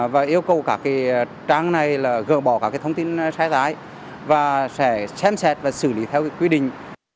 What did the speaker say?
và yêu cầu các trang này là gỡ bỏ các thông tin sai trái và sẽ xem xét và xử lý theo quy định